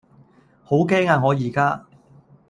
好驚呀我宜家